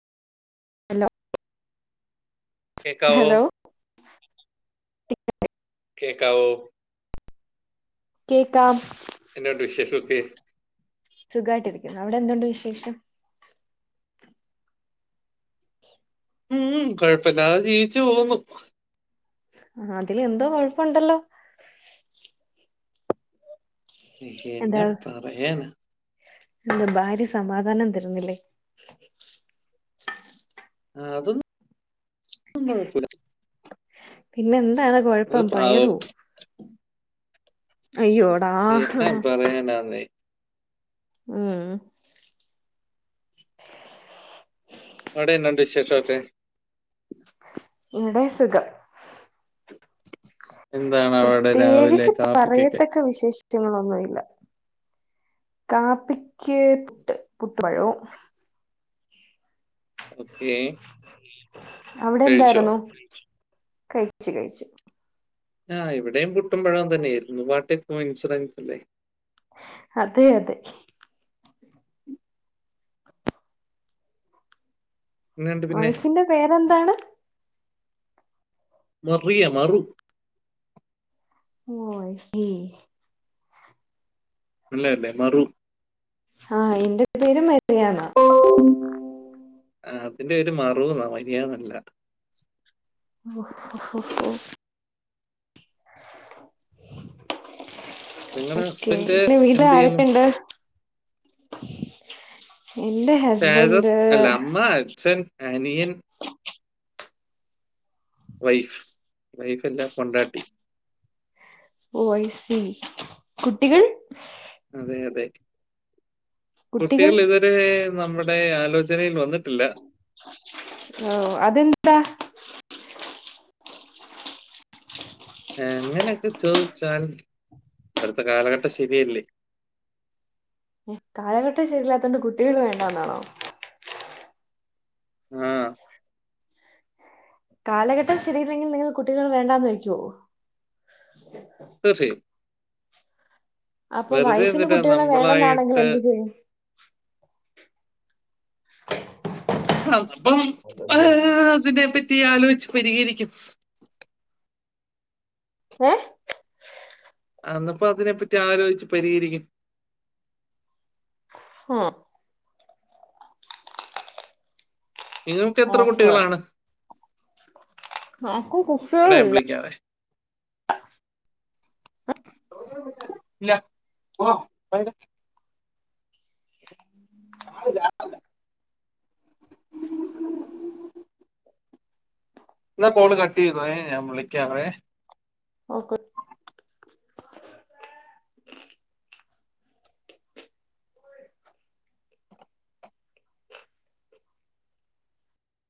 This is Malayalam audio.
ഹലോ കേക്കാവോ ഹലോ കേക്കാവോ? കേക്കാം. എന്തുണ്ട് വിശേഷോക്കെ? സുഖമായിട്ടിരിക്കുന്നു അവിടെ എന്തുണ്ട് വിശേഷം. ഉം കുഴപ്പല്ലാണ്ട് ജീവിച്ചു പോകുന്നു. ആ അതിൽ എന്തോ കൊഴപ്പുണ്ടല്ലോ? എന്താ യെന്ന പറയാനാ. എന്താ ഭാര്യ സമാധാനം തരുന്നില്ലേ? ആഹ് അതൊന്നും കൊഴപ്പൂല. പിന്നെ എന്താണ് കൊഴപ്പം പാവം പയറൂ അയ്യോടാ. എന്നാ പറയാനാന്നേ ഉം. ആടെ എന്നാണ്ട് വിശേഷോക്കെ? ഇവിടെ സുഖം. എന്താണ് അവിടെ രാവിലെ പ്രത്യേകിച്ച് കാപ്പിക്കൊക്കെ പറയത്തക്ക വിശേഷ റ്റങ്ങളൊന്നുല്ല. കാപ്പിക്ക് പുട്ട് പുട്ട് പഴോം. ഓക്കേ അവിടെ എന്താരുന്നു കഴിച്ച് കഴിച്ച് ആ ഇവിടേം പുട്ടുംപഴോം തന്നെയായിരുന്നു what a coincident today അതെ അതെ എന്നുണ്ട് പിന്നെ വൈഫിന്റെ പേരെന്താണ് മറിയ മറു ഓ ഐസീ അല്ലേ മേ മറു ആ എന്റെ പേര് മെ റിയാന്നാ ആ അതിന്റെ ഒരു മറന്നാ മരിയാന്നല്ല ഒ ഹോഹോഹോ നിങ്ങളുടെ ക്കെ ഹസ്ബൻഡ് പ്പ വീടൽ എന്ത് ചെയ്യുന്നു ആരൊക്കെണ്ട് എന്റെ ഫാദർ ഹെസ്ബന്ഡ് അല്ല അമ്മ അച്ഛൻ അനിയൻ വൈഫ് വൈഫല്ല പൊണ്ടാട്ടി ഓ ഐസീ കുട്ടികൾ അതെയതെ കുട്ടികൾ ഇതുവരെ നമ്മുടെ ആലോചനയിൽ വന്ന്‌ ന്ന്ട്ടില്ല ഓ അതെന്താ അങ്ങനെയൊക്കെ ചോദിച്ചാൽ ഇപ്പഴ്ത്തെ കാലഘട്ടം ശരിയല്ലേ കാലഘട്ടം ശെരിയല്ലാത്തൊണ്ട് കുട്ടികൾ വേൺ ണ്ടാന്നാണോ ആ കാലഘട്ടം ശരിയില്ലെങ്കി നിങ്ങൾ കുട്ടികൾ വേണ്ടാന്ന് വെയ്ക്കുവോ തീർച്ചയായും അപ്പൊ വെറുതെ വൈഫിന് എന്തിനാ കുട്ടികളെ വേണെന്നാണെങ്കി നമ്മളായിട്ട് എന്ത് ചെയ്യും ആ പ്പം ആ അതിനെ പറ്റി ആലോച് പെരിഹരിക്കും ഏ അന്നപ്പോ അതിനെ പറ്റി ആലോചിച്ച് പരിഹരിക്കും ആ നിങ്ങൾക്ക് എത്ര കുട്ടികളാണ് ക്ക് കുട്ടികൾ എടാ ഞാൻ ഇല്ല ല്ല ഓ [unintelligible] ന്നാ കോള് കട്ട് ചെയ്തോ ഏ ഞാൻ വിളിക്കാവേ ഓക്ക്